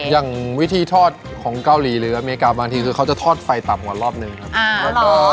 อย่างวิธีทอดของเกาหลีหรืออเมริกาบางทีคือเขาจะทอดไฟต่ำกว่ารอบหนึ่งครับ